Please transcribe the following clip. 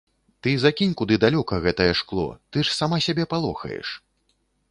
Ты закінь куды далёка гэтае шкло, ты ж сама сябе палохаеш.